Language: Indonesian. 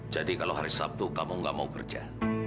jadi kalau hari sabtu kamu nggak mau kerja